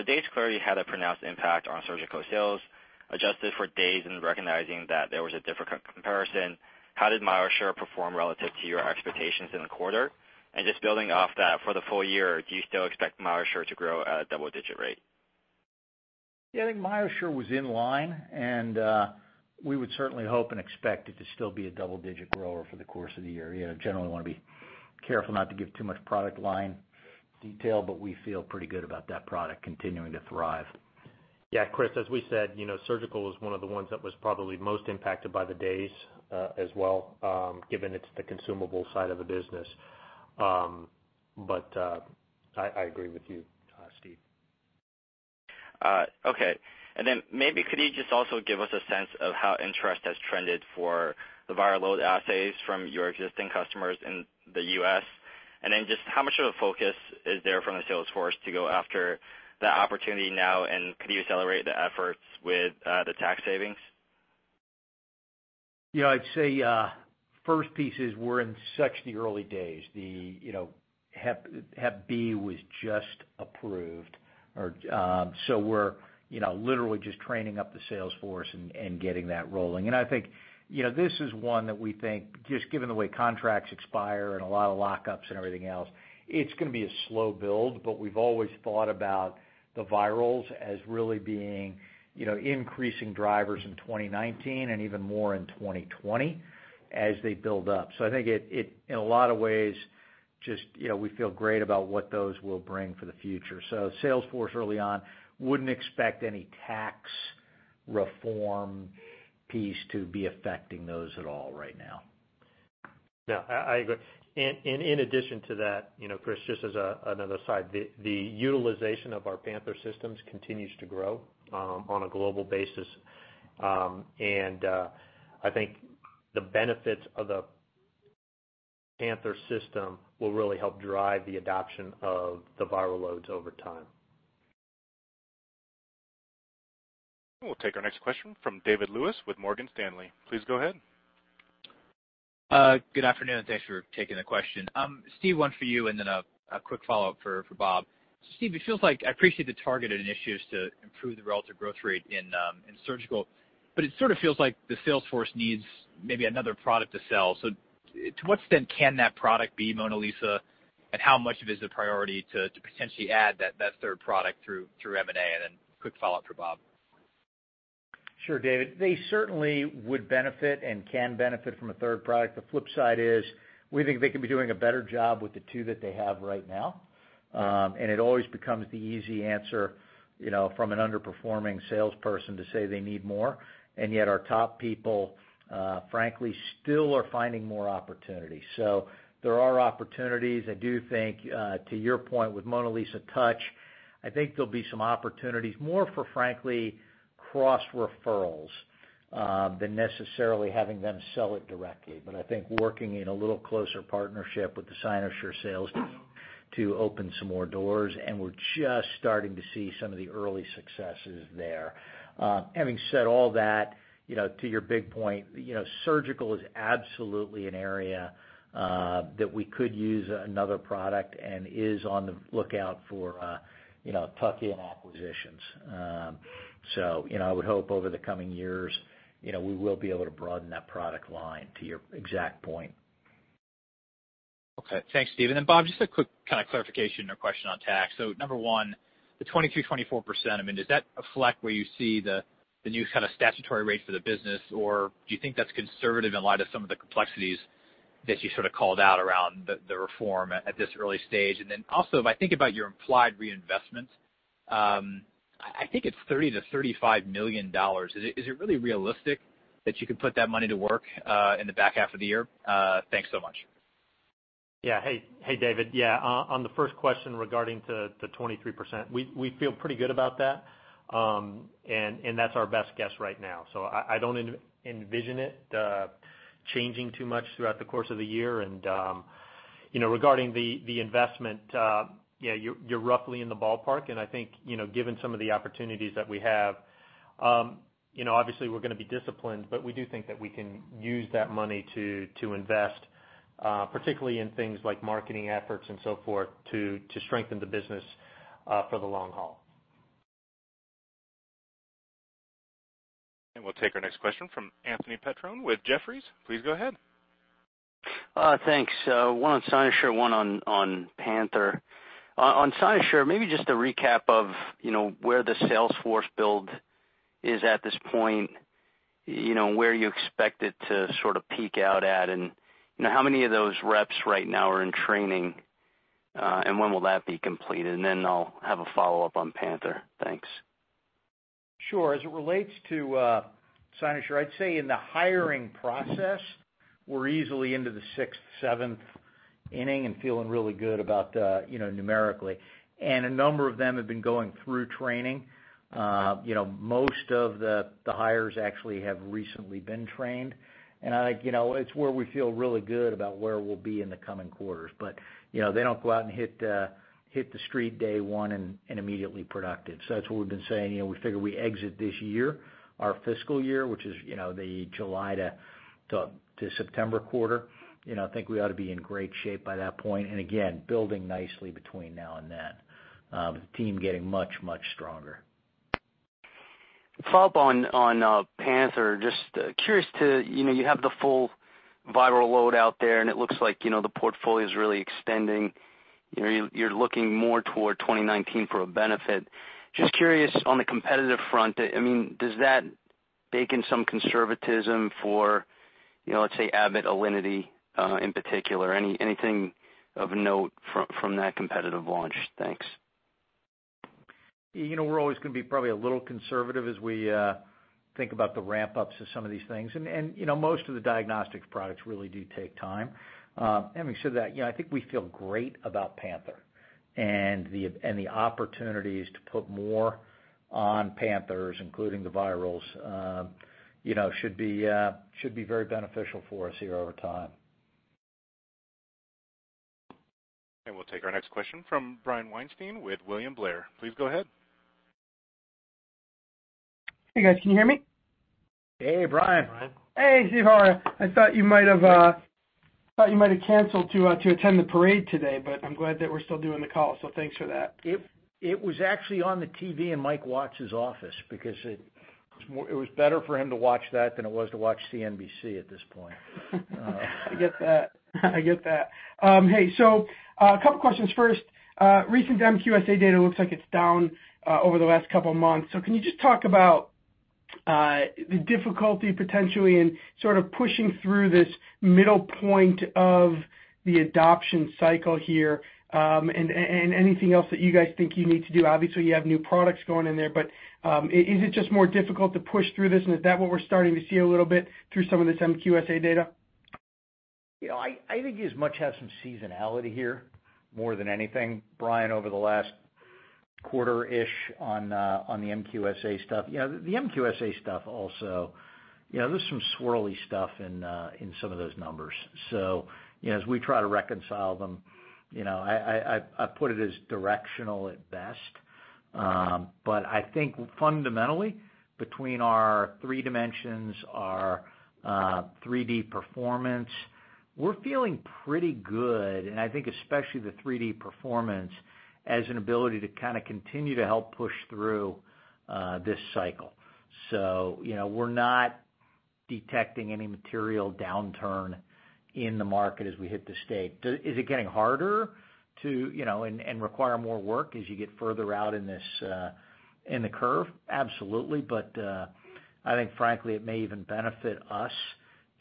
Days clearly had a pronounced impact on surgical sales. Adjusted for days and recognizing that there was a different comparison, how did MyoSure perform relative to your expectations in the quarter? Just building off that for the full year, do you still expect MyoSure to grow at a double-digit rate? I think MyoSure was in line, and we would certainly hope and expect it to still be a double-digit grower for the course of the year. Generally, I want to be careful not to give too much product line detail, but we feel pretty good about that product continuing to thrive. Yeah, Chris, as we said, surgical was one of the ones that was probably most impacted by the days as well, given it's the consumable side of the business. I agree with you, Steve. Okay. Maybe could you just also give us a sense of how interest has trended for the viral load assays from your existing customers in the U.S.? Just how much of a focus is there from the sales force to go after that opportunity now, and could you accelerate the efforts with the tax savings? Yeah, I'd say first piece is we're in such the early days. The Hep B was just approved. We're literally just training up the sales force and getting that rolling. I think this is one that we think, just given the way contracts expire and a lot of lockups and everything else, it's going to be a slow build. We've always thought about the virals as really being increasing drivers in 2019 and even more in 2020 as they build up. I think in a lot of ways, just we feel great about what those will bring for the future. Sales force early on wouldn't expect any tax reform piece to be affecting those at all right now. No, I agree. In addition to that, Chris, just as another side, the utilization of our Panther systems continues to grow on a global basis. I think the benefits of the Panther system will really help drive the adoption of the viral loads over time. We'll take our next question from David Lewis with Morgan Stanley. Please go ahead. Good afternoon, thanks for taking the question. Steve, one for you, then a quick follow-up for Bob. Steve, I appreciate the targeted initiatives to improve the relative growth rate in surgical, but it sort of feels like the sales force needs maybe another product to sell. To what extent can that product be MonaLisa? How much of it is a priority to potentially add that third product through M&A? Quick follow-up for Bob. Sure, David. They certainly would benefit and can benefit from a third product. The flip side is, we think they can be doing a better job with the two that they have right now. It always becomes the easy answer from an underperforming salesperson to say they need more. Yet our top people, frankly, still are finding more opportunities. There are opportunities. I do think, to your point with MonaLisa Touch, I think there'll be some opportunities more for frankly, cross referrals, than necessarily having them sell it directly. I think working in a little closer partnership with the Cynosure sales team to open some more doors, and we're just starting to see some of the early successes there. Having said all that, to your big point, surgical is absolutely an area that we could use another product and is on the lookout for tuck-in acquisitions. I would hope over the coming years we will be able to broaden that product line, to your exact point. Okay. Thanks, Steve. Bob, just a quick kind of clarification or question on tax. Number one, the 23%-24%, does that reflect where you see the new kind of statutory rate for the business, or do you think that's conservative in light of some of the complexities that you sort of called out around the reform at this early stage? Also, if I think about your implied reinvestments, I think it's $30 million-$35 million. Is it really realistic that you could put that money to work in the back half of the year? Thanks so much. Yeah. Hey, David. On the first question regarding the 23%, we feel pretty good about that. That's our best guess right now. I don't envision it changing too much throughout the course of the year. Regarding the investment, you're roughly in the ballpark, and I think, given some of the opportunities that we have, obviously, we're going to be disciplined. We do think that we can use that money to invest, particularly in things like marketing efforts and so forth, to strengthen the business for the long haul. We'll take our next question from Anthony Petrone with Jefferies. Please go ahead. Thanks. One on Cynosure, one on Panther. On Cynosure, maybe just a recap of where the sales force build is at this point, where you expect it to sort of peak out at, and how many of those reps right now are in training, and when will that be completed? I'll have a follow-up on Panther. Thanks. Sure. As it relates to Cynosure, I'd say in the hiring process, we're easily into the sixth, seventh inning and feeling really good about numerically. A number of them have been going through training. Most of the hires actually have recently been trained. It's where we feel really good about where we'll be in the coming quarters. They don't go out and hit the street day one and immediately productive. That's what we've been saying. We figure we exit this year, our fiscal year, which is the July to September quarter. I think we ought to be in great shape by that point. Again, building nicely between now and then. The team getting much, much stronger. Follow-up on Panther. Just curious, you have the full viral load out there, and it looks like the portfolio's really extending. You're looking more toward 2019 for a benefit. Just curious on the competitive front. Does that bake in some conservatism for, let's say, Abbott Alinity in particular? Anything of note from that competitive launch? Thanks. We're always going to be probably a little conservative as we think about the ramp-ups of some of these things. Most of the diagnostics products really do take time. Having said that, I think we feel great about Panther and the opportunities to put more on Panther, including the virals, should be very beneficial for us here over time. We'll take our next question from Brian Weinstein with William Blair. Please go ahead. Hey, guys. Can you hear me? Hey, Brian. Hey, Brian. Hey, Steve, how are you? I thought you might have canceled to attend the parade today, but I'm glad that we're still doing the call, so thanks for that. It was actually on the TV in Mike Watts' office because it was better for him to watch that than it was to watch CNBC at this point. I get that. Hey, a couple questions. First, recent MQSA data looks like it's down over the last couple of months. Can you just talk about the difficulty, potentially, in sort of pushing through this middle point of the adoption cycle here, and anything else that you guys think you need to do? Obviously, you have new products going in there. Is it just more difficult to push through this, and is that what we're starting to see a little bit through some of this MQSA data? I think you as much have some seasonality here more than anything, Brian, over the last quarter-ish on the MQSA stuff. The MQSA stuff also, there's some swirly stuff in some of those numbers. As we try to reconcile them, I put it as directional at best. I think fundamentally, between our 3Dimensions, our 3D Performance, we're feeling pretty good. I think especially the 3D Performance as an ability to kind of continue to help push through this cycle. We're not detecting any material downturn in the market as we hit the state. Is it getting harder to and require more work as you get further out in the curve? Absolutely. I think frankly, it may even benefit us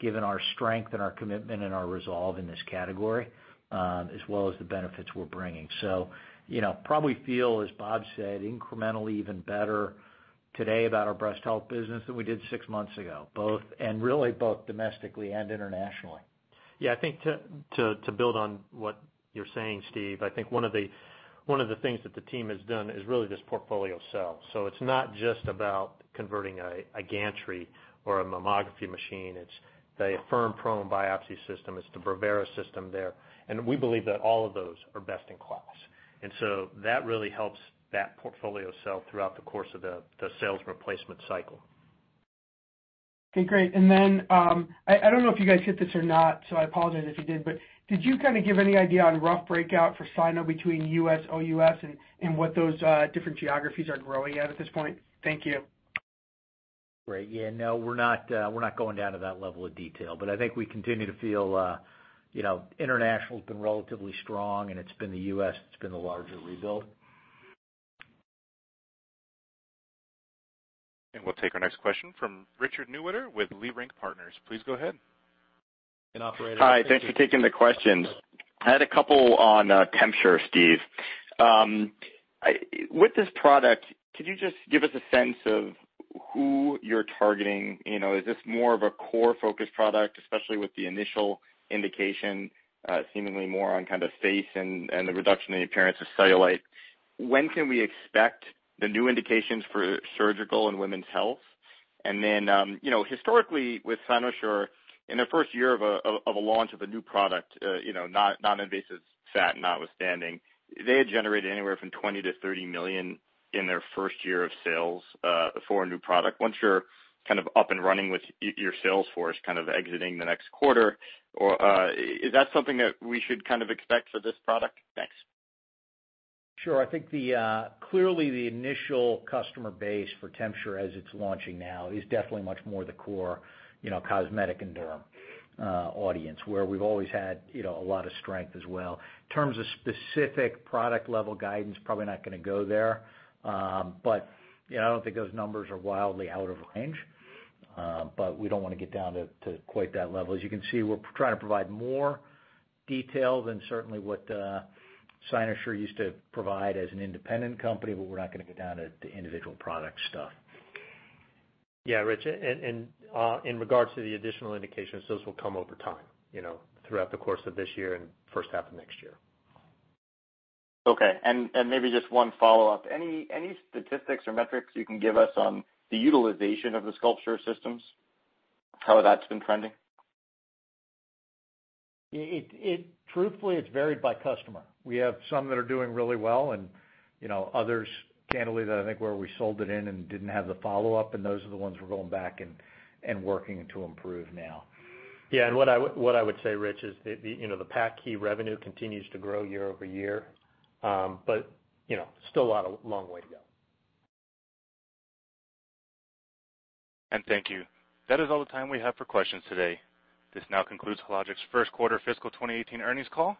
given our strength and our commitment and our resolve in this category, as well as the benefits we're bringing. Probably feel, as Bob said, incrementally even better today about our breast health business than we did six months ago, really both domestically and internationally. Yeah, I think to build on what you're saying, Steve, I think one of the things that the team has done is really this portfolio sell. It's not just about converting a gantry or a mammography machine, it's the Affirm prone biopsy system, it's the Brevera system there. We believe that all of those are best in class. That really helps that portfolio sell throughout the course of the sales replacement cycle. Okay, great. I don't know if you guys hit this or not, so I apologize if you did, but did you kind of give any idea on rough breakout for Cynosure between U.S., OUS, and what those different geographies are growing at this point? Thank you. Great. Yeah, no, we're not going down to that level of detail. I think we continue to feel international's been relatively strong and it's been the U.S. that's been the larger rebuild. We'll take our next question from Richard Newitter with Leerink Partners. Please go ahead. operator- Hi, thanks for taking the questions. I had a couple on TempSure, Steve. With this product, could you just give us a sense of who you're targeting? Is this more of a core focus product, especially with the initial indication, seemingly more on kind of face and the reduction in the appearance of cellulite? When can we expect the new indications for surgical and women's health? Historically with Cynosure, in the first year of a launch of a new product, non-invasive fat notwithstanding, they had generated anywhere from $20 million-$30 million in their first year of sales for a new product. Once you're kind of up and running with your sales force exiting the next quarter, is that something that we should kind of expect for this product? Thanks. Sure. I think clearly the initial customer base for TempSure as it's launching now is definitely much more the core cosmetic and derm audience, where we've always had a lot of strength as well. In terms of specific product level guidance, probably not going to go there. I don't think those numbers are wildly out of range. We don't want to get down to quite that level. As you can see, we're trying to provide more detail than certainly what Cynosure used to provide as an independent company, but we're not going to go down to individual product stuff. Yeah, Rich. In regards to the additional indications, those will come over time, throughout the course of this year and first half of next year. Okay. Maybe just one follow-up. Any statistics or metrics you can give us on the utilization of the SculpSure systems? How that's been trending? Truthfully, it's varied by customer. We have some that are doing really well and others, candidly, that I think where we sold it in and didn't have the follow-up, and those are the ones we're going back and working to improve now. Yeah, what I would say, Rich, is the per-click revenue continues to grow year-over-year. Still a long way to go. Thank you. That is all the time we have for questions today. This now concludes Hologic's first quarter fiscal 2018 earnings call.